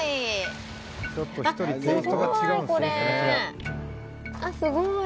すごーい。